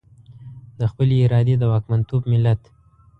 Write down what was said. د خپلې ارادې د واکمنتوب ملت.